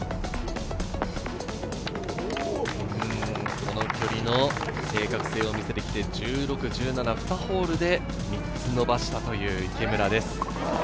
この距離の正確性を見せてきて、１６、１７の２ホールで３つ伸ばしたという池村です。